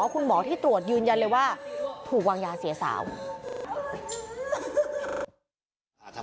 คุณหมอที่ตรวจยืนยันเลยว่าถูกวางยาเสียสาว